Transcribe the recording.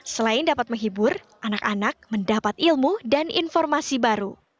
selain dapat menghibur anak anak mendapat ilmu dan informasi baru